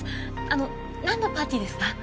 あのなんのパーティーですか？